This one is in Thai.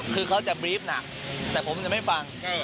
คือเขาจะบรีฟหนักแต่ผมจะไม่ฟัง